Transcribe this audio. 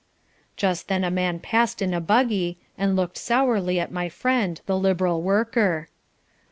Just then a man passed in a buggy, and looked sourly at my friend the Liberal worker.